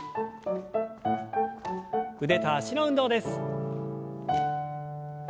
腕と脚の運動です。